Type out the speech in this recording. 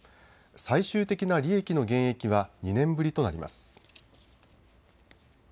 最終的な利益の減益は２年ぶりとなります。